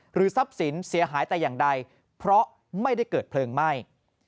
ทรัพย์สินเสียหายแต่อย่างใดเพราะไม่ได้เกิดเพลิงไหม้